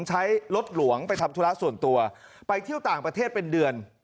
ใช้รถหลวงไปทำธุระส่วนตัวไปเที่ยวต่างประเทศเป็นเดือน